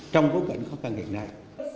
trong bối cảnh khó khăn hiện nay